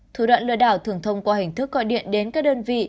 thủ đoạn lừa đảo thường thông qua hình thức gọi điện đến các đơn vị